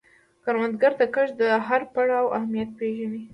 کروندګر د کښت د هر پړاو اهمیت پېژني